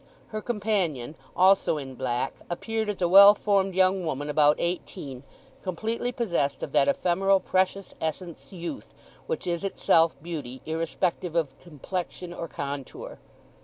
Her companion, also in black, appeared as a well formed young woman about eighteen, completely possessed of that ephemeral precious essence youth, which is itself beauty, irrespective of complexion or contour.